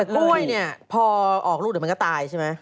โอ้ยนี่พอออกลูกเด็ดมันก็ตายใช่ไหม